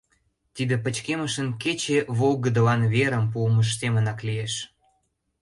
Тиде пычкемышын кече волгыдылан верым пуымыж семынак лиеш.